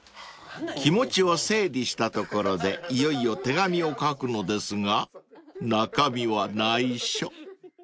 ［気持ちを整理したところでいよいよ手紙を書くのですが中身は内緒］